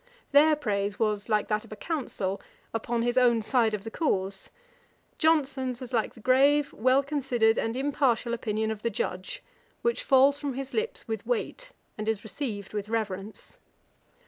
Their praise was, like that of a counsel, upon his own side of the cause: Johnson's was like the grave, well considered, and impartial opinion of the judge, which falls from his lips with weight, and is received with reverence.